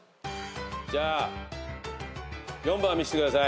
じゃあ４番見してください。